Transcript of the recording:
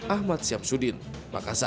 ahmad syamsuddin makassar